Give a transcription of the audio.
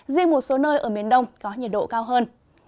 riêng một số nơi ở miền đông có nhiệt độ cao hơn